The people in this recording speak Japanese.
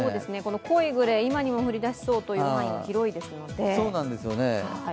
濃いグレー、今にも降りだしそうという範囲が広いですので。